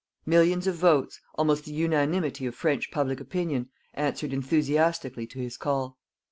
Millions of votes almost the unanimity of French public opinion answered enthusiastically to his call.